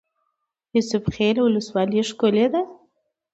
یوسف خیل ولسوالۍ ښکلې ده؟